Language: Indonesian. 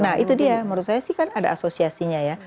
nah itu dia menurut saya sih kan ada asosiasinya ya